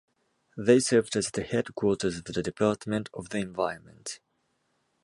They served as the headquarters of the Department of the Environment.